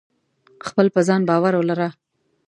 خپل په ځان باور ولره.